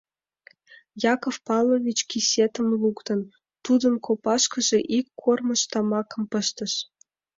Яков Павлович, кисетым луктын, тудын копашкыже ик кормыж тамакым пыштыш.